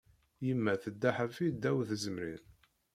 Yemma tedda ḥafi ddaw tzemrin.